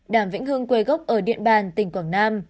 đàm vĩnh hương quê gốc ở điện bàn tỉnh quảng nam